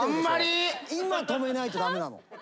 今止めないと駄目なの。